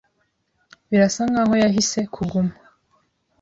Birasa nkaho yahisemo kuguma.